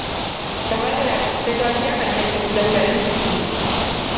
Zabaleraz antzekoak dira baina ez populazioaren ikuspuntutik.